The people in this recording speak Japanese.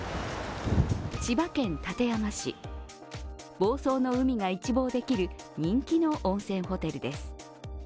房総の海が一望できる人気の温泉ホテルです。